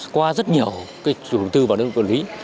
qua rất nhiều cái chủ đầu tư và đơn vị quản lý